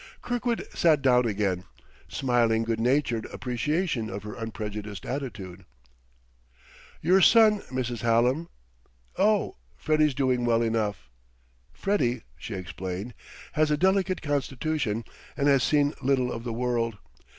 Kirkwood sat down again, smiling good natured appreciation of her unprejudiced attitude. "Your son, Mrs. Hallam ?" "Oh, Freddie's doing well enough.... Freddie," she explained, "has a delicate constitution and has seen little of the world.